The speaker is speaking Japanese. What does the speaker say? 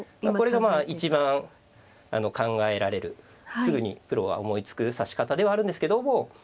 これが一番考えられるすぐにプロが思いつく指し方ではあるんですけども。